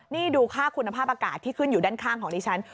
นี่ดูค่าคุณภาพอากาศที่ขึ้นอยู่ด้านข้างของดิฉัน